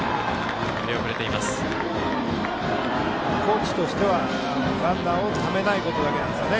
高知としては、ランナーをためないことだけですね。